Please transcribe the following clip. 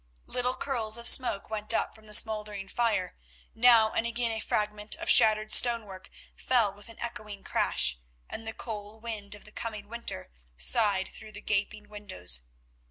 Little curls of smoke went up from the smouldering fire; now and again a fragment of shattered stonework fell with an echoing crash, and the cold wind of the coming winter sighed through the gaping windows.